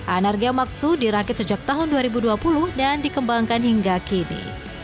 anargya mark ii dirakit sejak tahun dua ribu dua puluh dan dikembangkan hingga kini